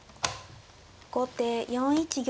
後手４一玉。